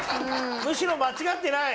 むしろ間違ってない。